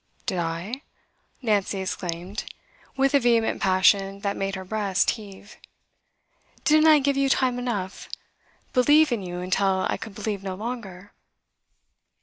'Did I?' Nancy exclaimed, with a vehement passion that made her breast heave. 'Didn't I give you time enough believe in you until I could believe no longer?